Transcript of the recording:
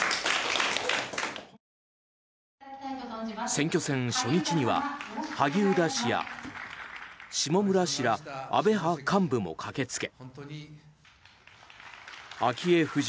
選挙戦初日には萩生田氏や下村氏ら安倍派幹部も駆けつけ昭恵夫人